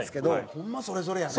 ホンマそれぞれやね。